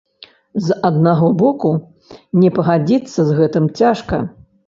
З аднаго боку, не пагадзіцца з гэтым цяжка.